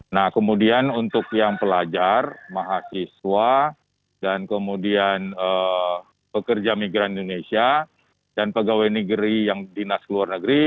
nah kemudian untuk yang pelajar mahasiswa dan kemudian pekerja migran indonesia dan pegawai negeri yang dinas luar negeri